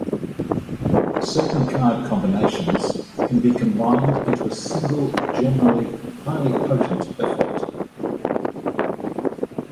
Certain card combinations can be combined into a single, generally highly potent effect.